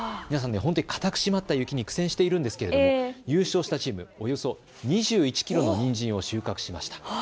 皆さん固く締まった雪に苦戦しているんですけれども優勝をしたチーム、およそ２１キロのにんじんを収穫しました。